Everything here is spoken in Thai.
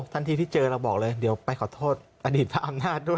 ทั้งทีที่เจอเราก็บอกเลยไปขอโทษอดีตภาพอำนาจเลย